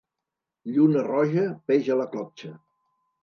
Lluna roja, peix a la clotxa.